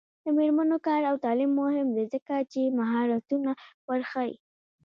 د میرمنو کار او تعلیم مهم دی ځکه چې مهارتونه ورښيي.